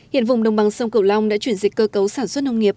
hiện vùng đồng bằng sông cửu long đã chuyển dịch cơ cấu sản xuất nông nghiệp